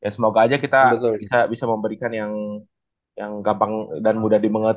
semoga aja kita bisa memberikan yang gampang dan mudah dimenget